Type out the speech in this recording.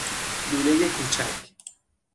لولۀ کوچک